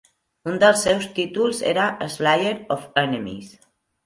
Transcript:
Un dels seus títols era "Slayer of Enemies".